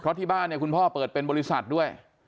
เพราะที่บ้านเนี่ยคุณพ่อเปิดเป็นบริษัทด้วย